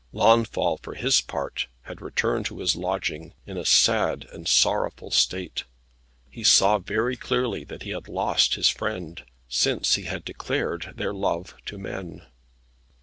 Launfal, for his part, had returned to his lodging, in a sad and sorrowful case. He saw very clearly that he had lost his friend, since he had declared their love to men.